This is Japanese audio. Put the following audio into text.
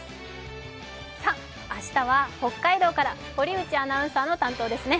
明日は北海道から堀内アナウンサーの担当ですね。